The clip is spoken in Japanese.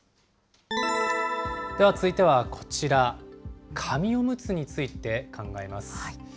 では続いてはこちら、紙おむつについて考えます。